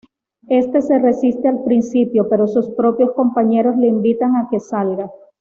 Este se resiste al principio, pero sus propios compañeros le invitan a que salga.